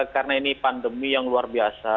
karena ini pandemi yang luar biasa